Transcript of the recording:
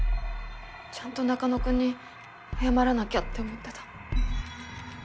ちゃんと中野くんに謝らなきゃって思ってた。